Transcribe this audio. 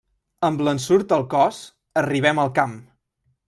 Amb l'ensurt al cos arribem al camp.